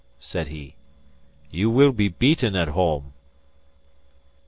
said he. "You will be beaten at home."